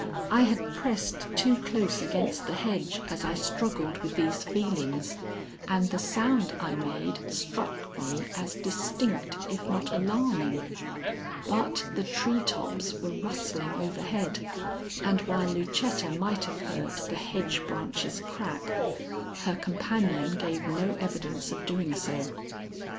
I had pressed too close against the hedge as I struggled with these feelings, and the sound I made struck me as distinct, if not alarming; but the tree tops were rustling overhead, and, while Lucetta might have heard the hedge branches crack, her companion gave no evidence of doing so.